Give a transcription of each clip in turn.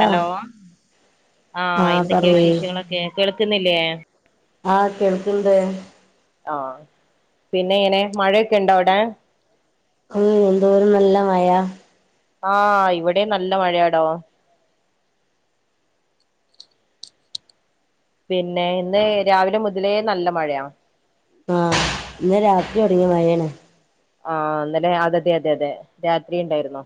Hello ആ ആഹ് എന്തൊക്കെ പറയ് വിശേഷങ്ങളൊക്കെ കേൾക്ന്നില്ലേ ആഹ് കേൾക്ണ്ട് ആഹ് പിന്നെങ്ങനെ മഴയൊക്കെ ണ്ടൊവിടെ ഉം എന്തോരം നല്ല മഴ ആഹ് ഇവിടേം നല്ല മഴയാടോ പിന്നെ ഇന്ന് രാവിലെ മുതലേ നല്ല മഴയാ ആഹ് ഇന്ന് രാത്രി തൊടങ്ങിയ മയേണ് ആഹ് ഇന്നലെ അതെ അതെ അതെ രാത്രി ണ്ടായിരുന്നു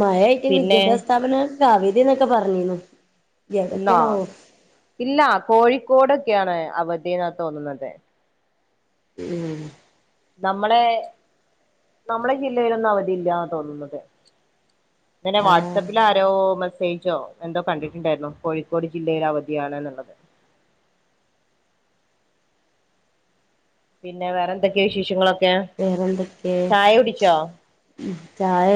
മഴയ്റ്റ് വിദ്യാഭ്യാസ സ്ഥാപനങ്ങൊക്കെ അവധിന്നൊക്കെ പറഞ്ഞിന്നു ന്നാ ഇല്ല കോഴിക്കോടൊക്കെയാണ് അവധിന്നാ തോന്നുന്നത് ഉം നമ്മളെ നമ്മളെ ജില്ലയിലൊന്നും അവധി ഇല്ലാ തോന്നുന്നത് ങ്ങനെ ആഹ് വാട്സപ്പിലാരോ മെസ്സേജോ എന്തോ കണ്ടിട്ടുണ്ടായിന്നു കോഴിക്കോട് ജില്ലയിൽ അവധിയാണ്ന്ന്ള്ളത് പിന്നെ വേറെന്തൊക്കെയാ വിശേഷങ്ങളൊക്കെ വേറെന്തൊക്കെ ചായടിച്ചോ ചായ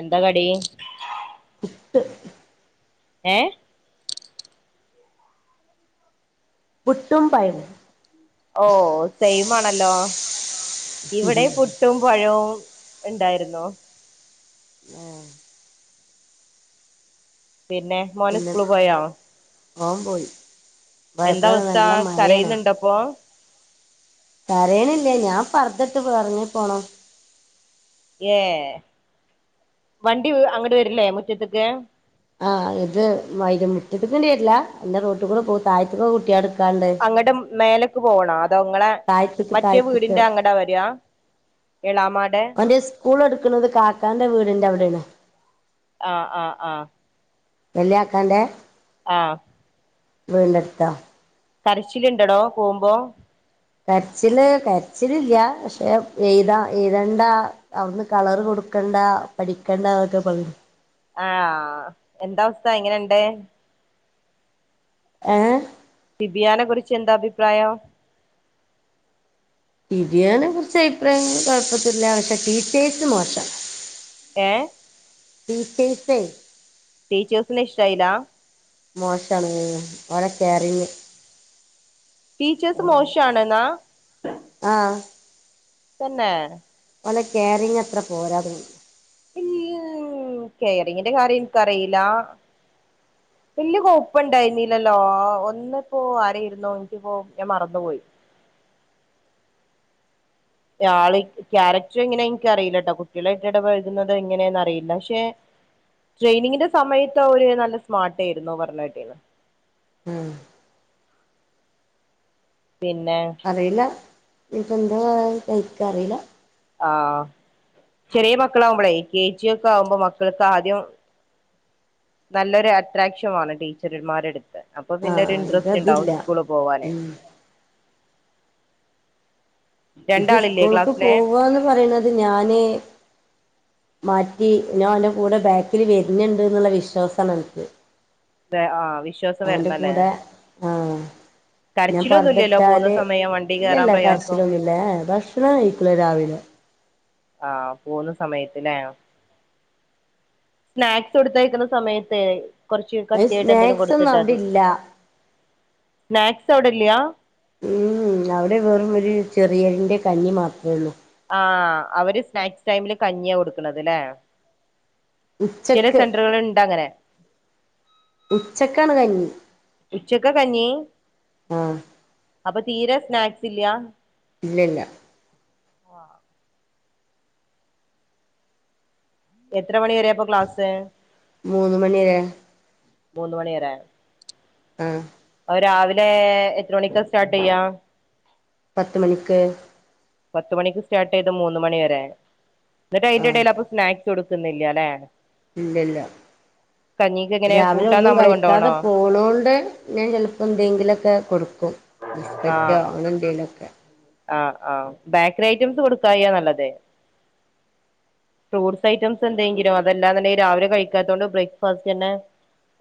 എന്താ കടി പുട്ട് ഏഹ് പുട്ടും പയം ഓ സെയിമാണല്ലോ ഇവിടെ പുട്ടും പഴവും ണ്ടായിരുന്നു ഉം. പിന്നെ മോന് സ്കൂള് പോയോ ഓം പോയി പോയപ്പള് എന്തവസ്ഥ നല്ല മഴയാണ് കരയ്ന്ന്ണ്ടൊപ്പൊ കരയ്ണില്ല ഞാൻ പർദ്ദട്ട് ഇറങ്ങി പോണം ഏഹ് വണ്ടി അങട് വര്ലേ മുറ്റത്തക്ക് ആഹ് ഇത് വൈ മുറ്റത്തിക്ണ്ട് വര്ല ന്നെ റോട്ടികൂടെ പോകും അതായതന്നൊക്കെ കുട്യളെട്കാണ്ട് അങ്ങട് മേലക്ക് പോവണോ അതൊങ്ങളെ താഴത്ത്ക്ക് മറ്റേ താഴത്ത്ക്ക് വീടിന്റെ അങ്ങടാ വരാ എളാമാടെ സ്കൂള് ട്ക്കുണത് കാക്കാന്റെ വീട്ന്റെ അവ്ടെണ് ആഹ് ആഹ് ആഹ് വല്യാക്കാന്റെ ആഹ് വീട്ന്റെ അടുത്തോ കരച്ചില് ണ്ടടോ പോകുമ്പോ കരച്ചില് കരച്ചിലില്യ പഷെ എയ്താ എയ്തണ്ടാ അവ്ട്ന്ന് കളറ് കൊടുക്കണ്ട പഠിക്കണ്ടൊക്കെ പറീണെ ആഹ് എന്ത അവസ്ഥ എങ്ങനെണ്ട് ഏഹ് തിബിയാനെ കുറിച്ച് ന്താ അഭിപ്രായം തിബിയാനെ കുറിച്ച് അഭിപ്രായങ്ങ കുഴപ്പെന്നുല്ല. പഷെ ടീച്ചേഴ്സ് മോശ ഏഹ് ടീ റ്റെൽ സെ ടീച്ചേഴ്സിനെ ഷ്ടായിലാ? മോശാണ്. ഓരെ കേറിങ് ടീച്ചേഴ്സ് മോഷാണ്ന്നാ. ആഹ് തന്നെ ഓലെ കേറിങ് അത്ര പോരാ തോ മ് കെയറിങ്ങിന്റെ കാര്യം ൻ ക്കറീല [inaudible] വല്യ കൊയപ്പണ്ടായിന്നീലല്ലോ? ഒന്ന്പ്പോ ആരെര്ന്നൂ ൻകിപ്പോ ഞാൻ മറന്നു പോയി. രാള് ക്യാരക്ടർ ങ്ങനെ ൻക്കറീല ട്ടോ കുട്യാളായ്ട്ടിട പഴകുന്നത് ങ്ങനെന്നറീല പക്ഷേ ട്രെയിനിങ്ങിന്റെ സമയത്ത് അവര് നല്ല സ്മാർട്ടേയ്ര്ന്നു പറഞ്ഞെട്ടീന്ന് ആഹ് പിന്നെ അറിയില്ല. ഞ്പ്പ ന്താ പാട് ൻക്കറീല ആഹ് ചെറ്യേ മക്കളാവുമ്പളേ കെ ജി ഒക്കെ ആഉമ്പോ മക്കൾക്ക് ആദ്യം നല്ലൊരു അട്രാക്ഷൻ വാണം ടീച്ചർമാരെട്ത്ത്. അപ്പൊ പിന്നൊര് ആഹ് ഇൻട്രസ്റ്റ് ണ്ടാവും ഇതതില്ല സ്കൂള് പോവാന് ഉം ഇത് രണ്ടാളില്ലേ സ്കൂൾക്ക് ക്ലാസ്സിലെ പോവാന്ന് പറിണത് ഞാന് മാറ്റി ഞാ ഓന്റെ കൂടെ ബാക്കില് വര്ന്ണ്ട് ന്ന്ള്ള വിശ്വാസാണ്. ഏ ആഹ് വിഷ് ഓന്റെ കൂടെ ആഹ് ഞാൻ കരച്ചിലൊന്നുംല്ലല്ലോ പോകുന്ന പർദട്ടാല് സമയം വണ്ടി കേറാൻ ഇല്ലല്ല പ്രയാസം കര്ച്ചലൊന്നുല്ല ഭക്ഷണം കഴിക്കൂല രാവിലെ ആഹ് പോന്ന സമയത്ത് ലേ സ്നാക്സ് കൊട്തയക്ക്ണ സമയത്തെ കൊർച്ച് അത് കട്ട്യായിട്ട് എന്തേലു സ്നാക്സ് ഒന്നും കൊടുത്തിട്ടാ അവിടെ തി. ഇല്ല സ്നാക്സ് അവിടെല്ല്യാ മ് ഉമ് അവിടെ വെറും ഒരു ചെറിയരിന്റെ കഞ്ഞി മാത്ര ള്ളൂ ആഹ് അവര് സ്നാക്സ് ടൈമില് കഞ്യാ കൊടുക്കണത് ല്ലേ ചില ഉച്ചക്ക് സെന്ററ്കള് ണ്ട് അങ്ങനെ ഉച്ചക്കാണ് കഞ്ഞി. ഉച്ചക്ക കഞ്ഞി. ആഹ് അപ്പൊ തീരെ സ്നാക്സ് ഇല്ല്യ ഇല്ല ല്ല എത്ര മണി വരെപ്പൊ ക്ലാസ് മൂന്ന് മണി വരെ മൂന്ന് മണി വരേ ആഹ് ഓ രാവിലെ എത്ര മണിക്ക സ്റ്റാർട്ട് ചെയ്യാ? പത്ത് മണിക്ക്. പത്തുമണിക്ക് സ്റ്റാർട്ട് ചെയ്ത് മൂന്ന് മണിവരെ. എന്നിട്ട് അയിന്റെ ആഹ് ഇടേല് അപ്പൊ സ്നാക്സ് കൊടുക്കുന്നില്ല അല്ലെ. ഇല്ലല്ല കഞ്ഞിക്ക് എങ്ങനെ രാവിലെ കൂട്ടാൻ ഒന്നും നമ്മള് കഴിക്കാതെ കൊണ്ടോണോ പോണോണ്ട് ഞാൻ ചിലപ്പോ എന്തെങ്കിലുമൊക്കെ കൊടുക്കും. ബിസ്ക്കറ്റോ ആഹ് അങ്ങനെ എന്തെങ്കിലുമൊക്കെ ആഹ് ആഹ് ബേക്കറി ഐറ്റംസ് കൊടുക്കാ യാ നല്ലത്. ഫ്രൂട്ട്സ് ഐറ്റംസ് എന്തെങ്കിലും അതെല്ലാ ന്ന് ണ്ടെങ്കിൽ രാവിലെ കഴിക്കാത്തോണ്ട് ബ്രേക്ക്ഫാസ്റ്റ് ന്നെ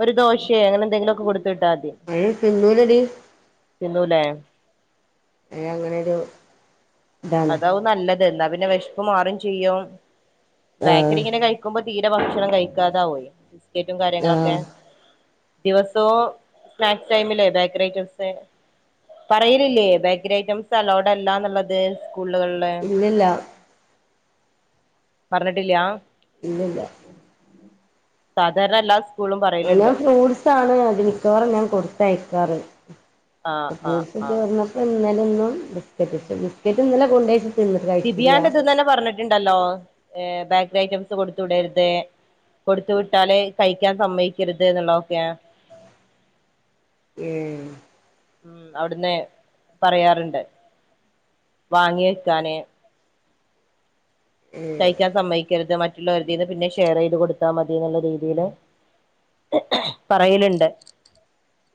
ഒരു ദോശേ അങ്ങനെന്തെലൊക്കെ കൊടുത്ത്ട്ടാതി [unintelligible] തിന്നൂലേ അയ്ന് അങ്ങനൊരു ഇതാണ് അതാവും നല്ലത് ന്നാ പിന്നെ വെഷ്പ്പ് മാറും ചെയ്യും ആഹ് ബേക്കറിങ്ങനെ കഴ് ക്കുമ്പോ തീരെ ഭക്ഷണം കഴിക്കാതാവും ബിസ്കറ്റും കാര്യങ്ങളൊക്കെ ആഹ് ദിവസോം സ്നാക്സ് ടൈമില് ബേക്കറി ഐറ്റംസ് പറയലില്ലേ ബേക്കറി ഐറ്റംസലോടല്ല ന്ന്ള്ളത് സ്കൂളുകൾല് ല്ല ല്ല പർഞ്ട്ട്ല്ല ഇല്ലല്ല ഉം സാധാരണെല്ലാ സ് ഓന് ഞാ ഫ്രൂട്സാണ് അത് മിക്കവാറും ഞാൻ കൊടുത്തയക്കാറ് ആഹ് പ്പോ ആഹ് ഫ്രൂട്സ് ആഹ് തീർന്നപ്പൊ ഇന്നലെന്നും ബിസ്ക്കറ്റ് ബിസ്ക്കറ്റ് ഇന്നലെ കൊണ്ടെച്ച് തിന്ന് [unintelligible] ബിയാന്റെ ഇത്ന്നെന്നെ പറഞ്ട്ട്ണ്ടല്ലോ എ ബേക്കറി ഐറ്റംസ് കൊടുത്ത് വിടര്ത് കൊടുത്തു വിട്ടാല് കയ്ക്കാൻ സമ്മയ്ക്കര്ത് ന്ന്ള്ളതൊക്കെ ഏ ഉം അവ്ട്ന്ന് പറയാറ്ണ്ട് വാങ്ങി വെക്കാന് കയ്ക്കാൻ ഏഹ് സമ്മയ്ക്കര്ത് മറ്റ് റ്റ്ള്ളോര്തീന്ന് പിന്നെ ഷെയർ ചെയ്ത് കൊടുത്താ മതിന്ന്ള്ള രീതില് പറയല്ണ്ട്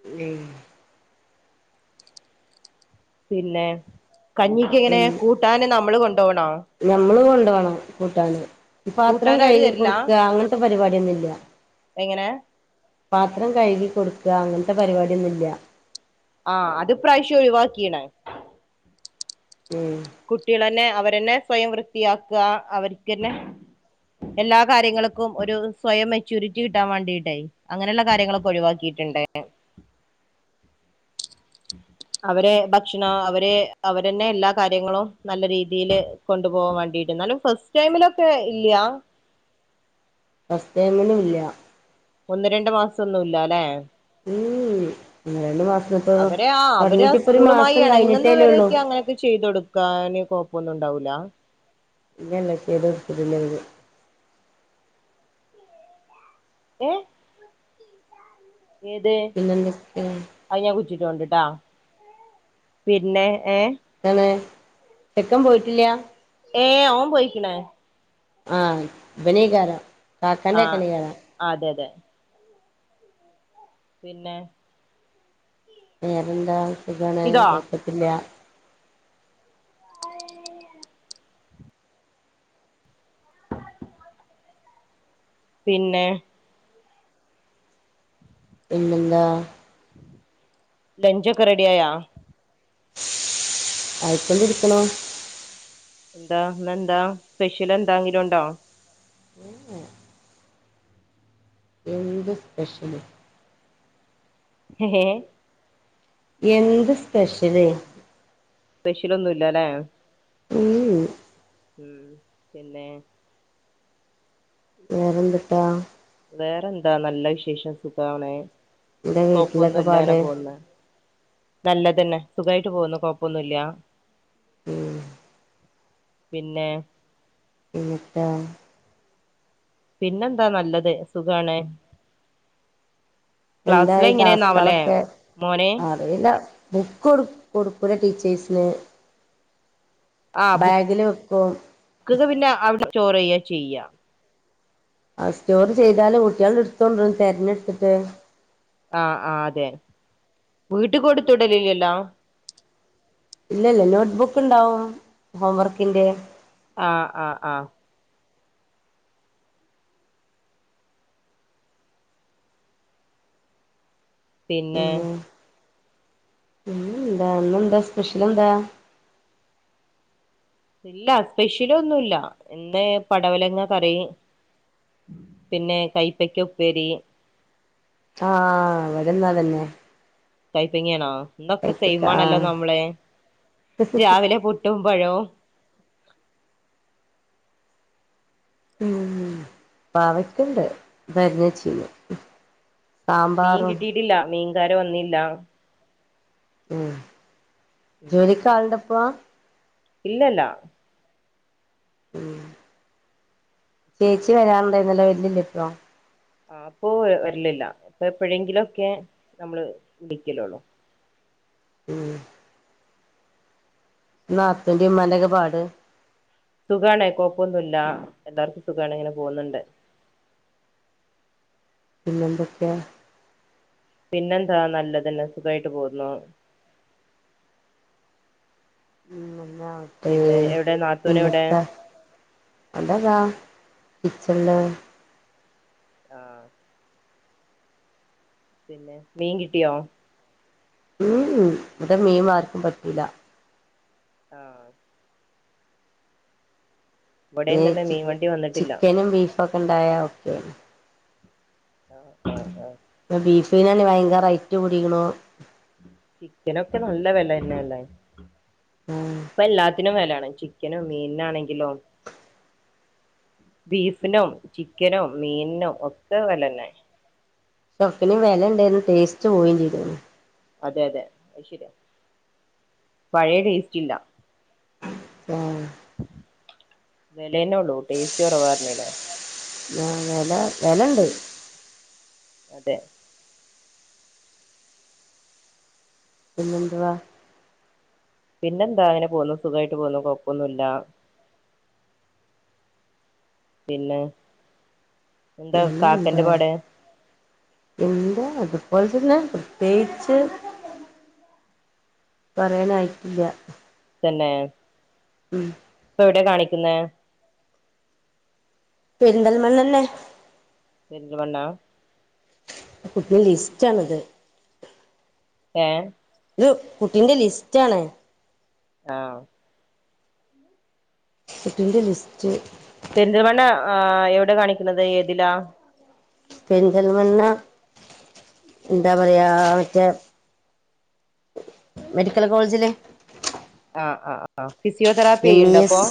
എ പിന്നെ കഞ്ഞിക്കെങ്ങനെ ഏഹ് കൂട്ടാന് നമ്മള് കൊണ്ടോവണോ ഞമ്മള് കൊണ്ടവണം കൂട്ടാന് പാത്രം കൂട്ടാൻ അവര് കയ്യ് തരില്ല കൊടുക്ക അങ്ങൻത്തെ പരിപാടിയൊന്നുല്ല എങ്ങനെ പാത്രം കഴുകി കൊടുക്ക അങ്ങൻത്തെ പരിപാടിയൊന്നുല്ല ആ അത്പ്രാശ്യം ഒഴിവാക്കിണ് ഉം കുട്ട്യാളെന്നെ അവരെന്നെ സ്വയം വൃത്തിയാക്ക അവര്ക്കെന്നെ എല്ലാ കാര്യങ്ങൾക്കും ഒരു സ്വയം മെച്യൂരിറ്റി കിട്ടാൻ വാണ്ടിട്ടെ അങ്ങനെള്ള കാര്യങ്ങളൊക്കെ ഒഴിവാക്കിട്ട്ണ്ട് അവരെ ഭക്ഷണം അവരെ അവരെന്നെ എല്ലാ കാര്യങ്ങളും നല്ല രീതില് കൊണ്ടു പോകാൻ വാണ്ടിട്ട് ന്നാലും ഫസ്റ്റ് ടൈമിലൊക്കെ ഇല്ല ഫസ്റ്റ് ടൈമിലില്ല ഒന്ന് രണ്ട് മാസൊന്നുല്ല ല്ലേ ഉം ഒന്ന് രണ്ട് മാസം ഇപ്പോ അവര് ആ അവരാ തൊടങ്ങിട്ട് ഇപ്പൊ ഒരു സ്കൂളുമായി മാസം കഴിഞ്ഞിട്ടേല്ലേ ഉള്ളൂ എണങ്ങുന്നവരൊക്കെ അങ്ങനെയൊക്കെ ചെയ്തൊടു ക്കാന് കൊഴപ്പൊന്നുണ്ടാവൂല്ല [unintelligible] ഏ ഏത് പിന്നെന്തൊക്കെ പിന്നെ ഏ ന്താണ് ചെക്കൻ പോയിട്ടില്ല ഏ ഓൻ പോയിക്ക്‌ണ് ആ ബനേകാരം താത്തന്റെ ആ ചെക്കനേകാരം അതെ തെ പിന്നെ വേറെന്താ സുഖമാണ് ഇതോ കൊക്കത്തില്ല. പിന്നെ പിന്നെന്താ ലഞ്ച് ഒക്കെ റെഡി ആയോ? ആയ് കൊണ്ടിരിക്കുണു. എന്താ എന്താ സ്പെഷ്യൽ എന്താങ്കിലും ഉണ്ടോ? ഏഹോ. എന്ത് സ്പെഷ്യല്. ഹേ എന്ത് സ്പെഷ്യല്. സ്പെഷ്യൽ ഒന്നും ഇല്ല അല്ലെ ഉം ഉം പിന്നെ വേറെന്തുട്ടാ. വേറെന്താ നല്ല വിശേഷം സുഖണ്. എന്റെ കൊപ്പൊന്നും വീട്ടിലൊക്കെ ഇല്ലങ്ങനെ പാട് പോകുന്ന്. നല്ലത്ന്നെ സുഖായിട്ട് പോകുന്നു കൊഴപ്പൊന്നുമല്ല. ഉം പിന്നെ പിന്നെന്താ പിന്നെന്താ നല്ലത് സുഖാണ്. ക്ലാസ്സില് എന്തായി എങ്ങനെയാന്നാവല്ലേ ടാസ്കളൊക്കെ മോന് അറില്ല. ബുക്ക് കൊടുക്കുല ടീച്ചേഴ്സ്ന്. ബാഗില് വെക്കും. ക്കുക പിന്നെ അവിടെ സ്റ്റോർ ചെയ്യ ചെയ്യാം. ആ സ്റ്റോർ ചെയ്തല് കുട്ടികള് എടുത്തോണ്ടരും തെരഞ്ഞ് എടുത്തിട്ട്. ആഹ് ആ് അതെ വീട്ടിക്ക് കൊടുത്ത് വിടലില്ലല്ലോ? ഇല്ല ഇല്ല നോട്ട്ബുക്ക് ഉണ്ടാവും ഹോം വർക്കിന്റെ. ആഹ് ആഹ ആഹ് പിന്നെ എന്താ ഇന്നെന്താ സ്പെഷ്യൽ എന്താ. ഇല്ല സ്പെഷ്യല് ഒന്നുമില്ല ഇന്ന് പടവലങ്ങ കറി. പിന്നെ കൈപ്പക്ക ഉപ്പേരി. ആഹ ഇവിടുന്ന് അതന്നെ. കൈപ്പങ്ങിയ ആണോ ഇന്നൊക്കെ കൈപ്പക്ക സെമാണല്ലോ ആഹ് നമ്മളെ രാവിലെ പുട്ടും പഴവും. ഉ പാവക്കണ്ട് അറിഞ്ഞു വെച്ച്ണ്. മീൻ കിട്ടിയിട്ടില്ല മീൻകാര് വന്നില്ല. ഉം ജോലിക് ആളുണ്ടപ്പൊ? ഇല്ലല്ല. ഉം ചേച്ചി വരാനണ്ട വരുന്നിലെ ഇപ്പൊ ആ അപ്പൊ വരലില്ല ഇപ്പ എപ്പോഴെങ്കിലുംക്കെ നമ്മള് വിളിക്കലോള്ളൂ. ഉം നാത്തുന്റിം ഉമമാന്റിം ഒക്കെ പാട്. സുഖാണ് കൊഴപ്പൊന്നുല്ല. എല്ലാർക്കും സുഖാണ് ങ്ങനെ പോന്ന്ണ്ട്. പിന്നെന്തെക്കെ പിന്നെന്താ നല്ലതന്നെ സുഖായിട്ട് പോവ്ന്നു. നന്നാവട്ടേ. പിന്നെ എവിടെ നാത്തൂൻ എവിടെ പിന്നെത്താ അവടതാ കിച്ചൺള് ആഹ് പിന്നെ മീൻ കിട്ടിയോ? ഉം ഉം വടെ മീൻ ആർക്കും പറ്റൂല. ആഹ് ഇവിടെയും ഏഹ് തന്നെ മീൻ ചിക് വണ്ടി വന്നിട്ടില്ല ചിക്കനും, ബീഫൊക്കെ ണ്ടായ ഒക്കേണ്. അഹ് അഹ് അഹ് പ്പം ബീഫ് നെന്നെ വയങ്കര റേറ്റ് കൂടിണു. ചിക്കനൊക്കെ നല്ല വെലന്നെല്ലെ. ഉം പ്പ എല്ലാ ത്തിനും വെലാണ്. ചിക്കനും, മീനാണെങ്കിലോ ബീഫിനും, ചിക്കനും, മീൻന്നും ഒക്കെ വെലന്നെ. ഒക്കെനും വെലണ്ടേനും ടേസ്റ്റ് പോയിം ചെയ്ത് ക്ക്ണ് അതെ അതെ അഹ് ശരിയാ. പഴേ ടേസ്റ്റില്ല. ആഹ് വിലേന്നൊള്ളൂ ടേസ്റ്റ് കൊറവാർഞ്ഞീലെ ആഹ് വെല വെലണ്ട്. അതെ പിന്നെന്തുവാ പിന്നെന്താ നെ പോവുന്നു. സുഖായിട്ട് പോവുന്നു. കൊഴപ്പൊന്നു ല്ല. പിന്നെ എന്താ പിന്നെന്താ കാക്കന്റെ പാട് എന്താ അത്പോലെ തന്നെ പ്രത്യേയിച്ച് പറയാനായിട്ടില്ല്യാ തന്നെ ഉം പ്പെ എവ്ടെ കാണിക്കുന്നെ? പെരിന്തൽമണ്ണന്നെ പെരിന്തൽമണ്ണ ആകുട്ടിന്റെ ലിസ്റ്റാണത് ഏഹ് ത് കുട്ടിന്റെ ലിസ്റ്റാണ്. ആഹ് കുട്ടിന്റെ ലിസ്റ്റ് പെരിന്തൽമണ്ണ ആഹ് എവ്ടെ കാണിക്കുന്നത്. ഏതിലാ? പെരിന്തൽമണ്ണ എന്താ പറയാ മറ്റേ മെഡിക്കൽ കോൾജില് ആഹ് ആഹ് ആഹ് ഫിസിയോതെറാപ്പി എം ഇ എയ്യ്ണ്ടോ പ്പോ എസ്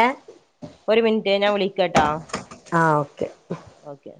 ഏ ഒര് മി ൻറ്റേ ഞാൻ വിളിക്കാട്ടോ ആഹ് ഓക്കെ ഓക്കെ